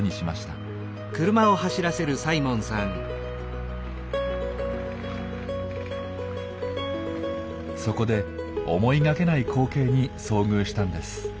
そこで思いがけない光景に遭遇したんです。